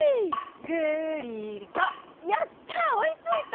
グ・リ・コやった追いついた！